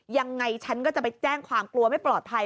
ยังไงฉันก็จะไปแจ้งความกลัวไม่ปลอดภัย